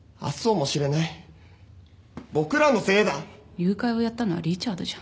誘拐をやったのはリチャードじゃん。